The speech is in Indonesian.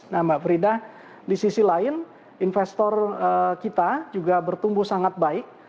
nah mbak frida di sisi lain investor kita juga bertumbuh sangat baik